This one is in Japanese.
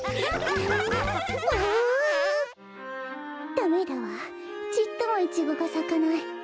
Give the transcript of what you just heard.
ダメだわちっともイチゴがさかない。